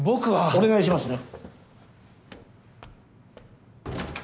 お願いしますね。